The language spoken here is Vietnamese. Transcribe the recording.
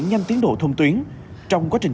nhanh tiến độ thông tuyến trong quá trình